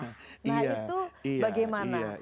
nah itu bagaimana